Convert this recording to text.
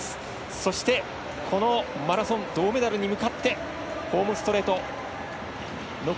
そして、マラソン銅メダルに向かってホームストレート。